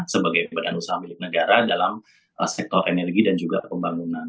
sebagai badan usaha milik negara dalam sektor energi dan juga pembangunan